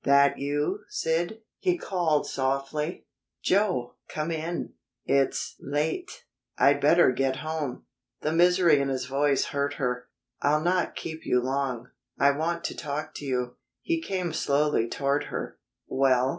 "That you, Sid?" he called softly. "Joe! Come in." "It's late; I'd better get home." The misery in his voice hurt her. "I'll not keep you long. I want to talk to you." He came slowly toward her. "Well?"